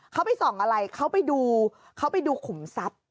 เขาไปส่องอะไรเขาไปดูขุมทรัพย์